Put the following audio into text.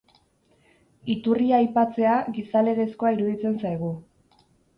Iturria aipatzea, gizalegezkoa iruditzen zaigu.